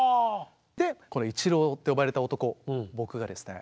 でこのイチローって呼ばれた男僕がですね